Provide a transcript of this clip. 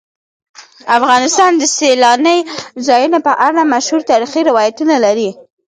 افغانستان د سیلانی ځایونه په اړه مشهور تاریخی روایتونه لري.